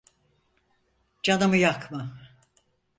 Canımı yakma.